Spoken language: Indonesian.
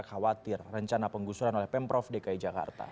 khawatir rencana penggusuran oleh pemprov dki jakarta